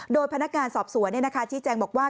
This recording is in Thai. โดยพนักงานสอบสวนชี้แจงบอกว่า